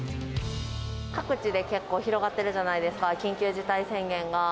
各地で結構、広がってるじゃないですか、緊急事態宣言が。